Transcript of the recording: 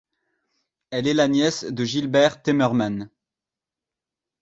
Elle est la nièce de Gilbert Temmerman.